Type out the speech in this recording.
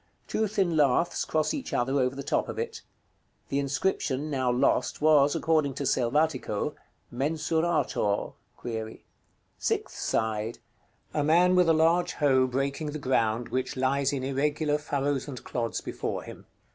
Two thin laths cross each other over the top of it. The inscription, now lost, was, according to Selvatico, "MENSURATOR"? Sixth side. A man, with a large hoe, breaking the ground, which lies in irregular furrows and clods before him.